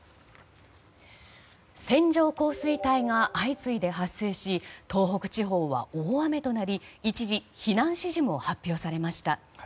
線状降水帯が相次いで発生し東北地方は大雨となり一時避難指示も発表されました。